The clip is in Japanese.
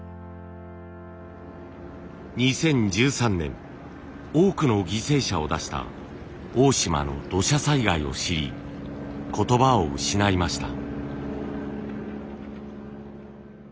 ２０１３年多くの犠牲者を出した大島の土砂災害を知り言葉を失いました。